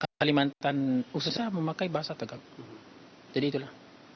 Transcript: dari kalimantan usaha memakai bahasa tagalog jadi itulah